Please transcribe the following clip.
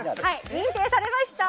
認定されました。